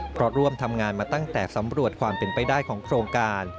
เพราะร่วมทำงานมาตั้งแต่สำรวจความเป็นไปได้ของโครงการ